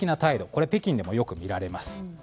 これは北京でもよく見られます。